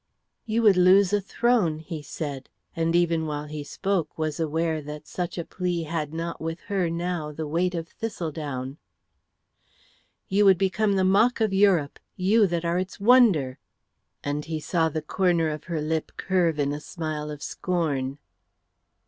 "You would lose a throne," he said, and even while he spoke was aware that such a plea had not with her now the weight of thistledown. "You would become the mock of Europe, you that are its wonder;" and he saw the corner of her lip curve in a smile of scorn.